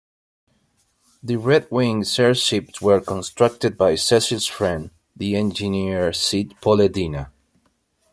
The Red Wings' airships were constructed by Cecil's friend, the engineer Cid Pollendina.